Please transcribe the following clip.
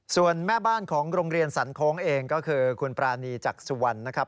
ส่วนแม่บ้านโรงเรียนสรรโค้งเองก็คือคุณปราณีจักษาแลนด์สวรรค์